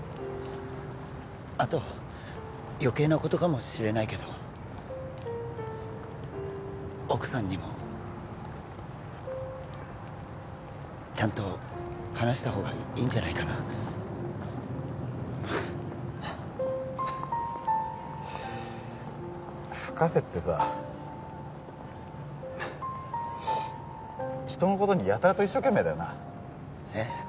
あと余計なことかもしれないけど奥さんにもちゃんと話した方がいいんじゃないかな深瀬ってさ人のことにやたらと一生懸命だよなえッ？